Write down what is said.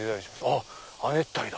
あっ亜熱帯だ！